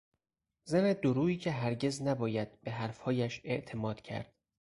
زن دورویی که هرگز نباید به حرفهایش اعتماد کرد